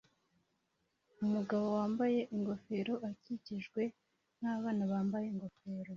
Umugabo wambaye ingofero akikijwe nabana bambaye ingofero